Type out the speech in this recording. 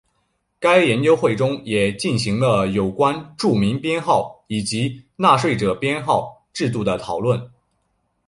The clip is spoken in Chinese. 该研究会中也进行了有关住民编号以及纳税者编号制度的讨论。